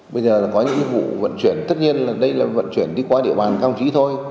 bây giờ là có những vụ vận chuyển tất nhiên là đây là vận chuyển đi qua địa bàn công chí thôi